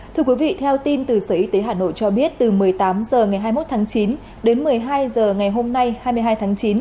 thưa quý vị theo tin từ sở y tế hà nội cho biết từ một mươi tám h ngày hai mươi một tháng chín đến một mươi hai h ngày hôm nay hai mươi hai tháng chín